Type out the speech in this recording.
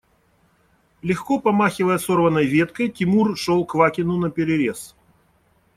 Легко помахивая сорванной веткой, Тимур шел Квакину наперерез.